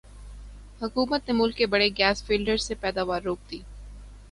حکومت نے ملک کے بڑے گیس فیلڈز سے پیداوار روک دی